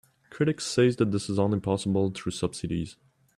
Critics say that this is only possible through subsidies.